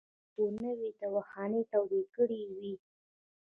خلکو نوې تاوخانې تودې کړې وې.